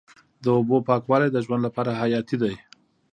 د اوبو پاکوالی د ژوند لپاره حیاتي دی.